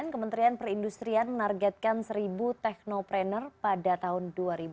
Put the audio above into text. kementerian perindustrian menargetkan seribu teknoprener pada tahun dua ribu dua puluh